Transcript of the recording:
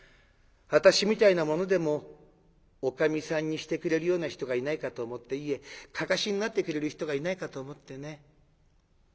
私みたいな者でもおかみさんにしてくれるような人がいないかと思っていえかかしになってくれる人がいないかと思ってね。